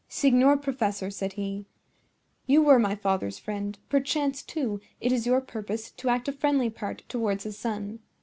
"Signor professor," said he, "you were my father's friend; perchance, too, it is your purpose to act a friendly part towards his son.